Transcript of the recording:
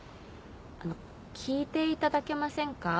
あの聞いていただけませんか？